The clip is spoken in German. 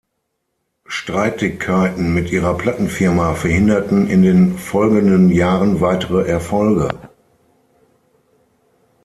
Streitigkeiten mit ihrer Plattenfirma verhinderten in den folgenden Jahren weitere Erfolge.